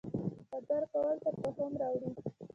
خبرې کول تفاهم راوړي